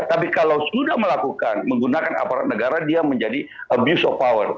tapi kalau sudah melakukan menggunakan aparat negara dia menjadi abuse of power